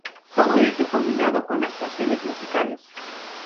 Todo ello combinado con actuaciones musicales.